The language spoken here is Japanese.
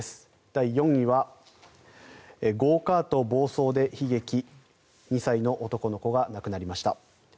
第４位はゴーカート暴走で悲劇２歳の男の子が亡くなりました。